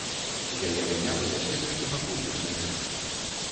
Яе выявы даследчыкі пакуль не знайшлі.